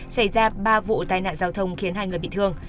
xảy ra ba vụ tai nạn giao thông khiến hai người bị thương